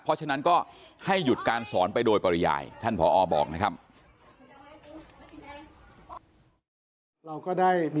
เพราะฉะนั้นก็ให้หยุดการสอนไปโดยปริยายท่านผอบอกนะครับ